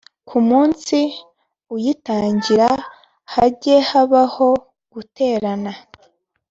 ku munsi uyitangira hajye habaho guterana